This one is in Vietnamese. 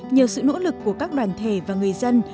nhờ sự nỗ lực của các đoàn thể và người dân